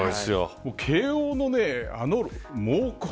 慶応のあの猛攻。